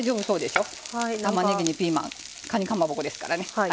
たまねぎにピーマンかにかまぼこですからね。